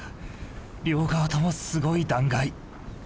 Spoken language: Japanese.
両側ともすごい断崖。